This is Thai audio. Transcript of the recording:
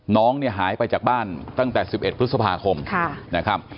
น้องเนี่ยหายไปจากบ้านตั้งแต่๑๑พฤษภาคมนะครับ